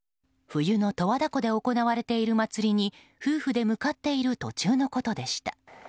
冬の十和田湖で行われている祭りに夫婦で向かっている途中のことでした。